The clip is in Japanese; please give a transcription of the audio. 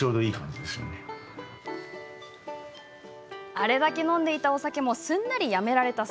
あれだけ飲んでいたお酒もすんなり、やめられました。